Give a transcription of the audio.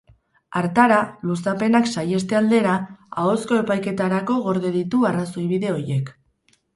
Hartara, luzapenak saiheste aldera, ahozko epaiketarako gorde ditu arrazoibide horiek.